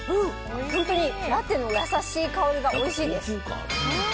本当にラテの優しい香りがおいしいです。